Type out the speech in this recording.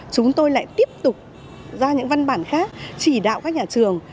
chúng tôi lại tiếp tục ra những văn bản khác chỉ đạo các nhà trường